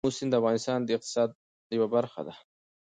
آمو سیند د افغانستان د اقتصاد یوه برخه ده.